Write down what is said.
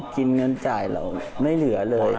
กินเงินจ่ายเราไม่เหลือเลย